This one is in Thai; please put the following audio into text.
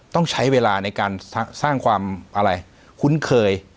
ต้องใช้เวลาในการสร้างความอะไรคุ้นเคย